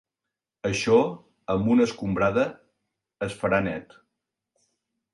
Això amb una escombrada es farà net.